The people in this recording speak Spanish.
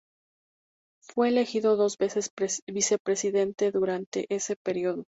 Fue elegido dos veces vicepresidente durante ese período.